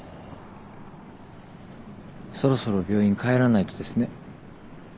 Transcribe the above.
そろそろ病院帰らないとですね。